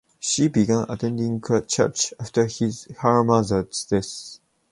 She began attending church after her mother's death.